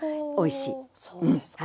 そうですか。